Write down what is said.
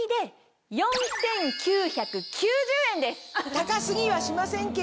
高過ぎはしませんけれど。